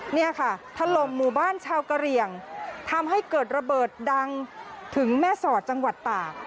เนี่ยค่ะถล่มหมู่บ้านชาวกะเหลี่ยงทำให้เกิดระเบิดดังถึงแม่สอดจังหวัดตาก